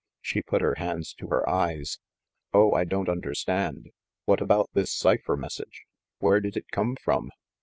She put her hands to her eyes. "Oh, I don't under stand ! What about this cipher message ? Where did it come from?"